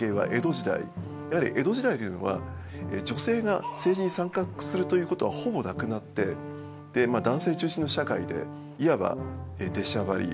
やはり江戸時代というのは女性が政治に参画するということはほぼなくなってまあ男性中心の社会でいわば出しゃばりとかですね